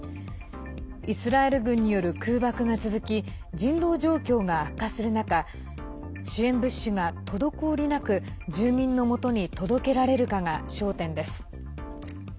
イスラエル軍による空爆が続き人道状況が悪化する中支援物資が滞りなく住民のもとに届けられるかが焦点です。